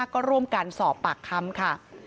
ก็ร่วมกันสอบปากคำค่ะ